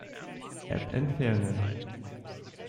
App entfernen.